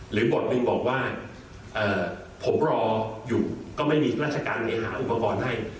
บทไปบอกว่าผมรออยู่ก็ไม่มีราชการไปหาอุปกรณ์ให้